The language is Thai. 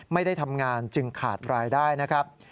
ไม่ได้ทำงานจึงขาดรายได้นะครับ